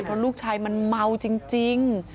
เพราะลูกชายมันเมาจริง